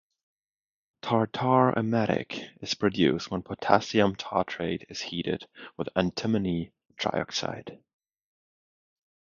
Tartar emetic is produced when potassium tartrate is heated with antimony trioxide.